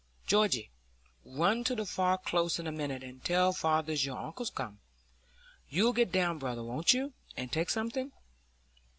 Georgy, run to the Far Close in a minute, and tell father your uncle's come. You'll get down, brother, won't you, and take something?"